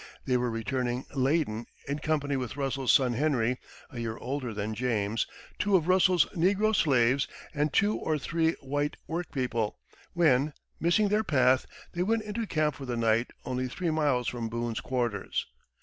They were returning laden, in company with Russell's son Henry, a year older than James, two of Russell's negro slaves, and two or three white workpeople, when, missing their path, they went into camp for the night only three miles from Boone's quarters.